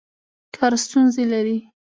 کار ستونزې لري.